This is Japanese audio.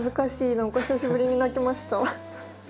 何か久しぶりに泣きました。